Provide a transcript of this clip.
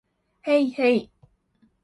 へいへい